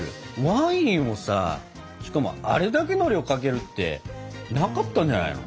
ワインをさしかもあれだけの量をかけるってなかったんじゃないの？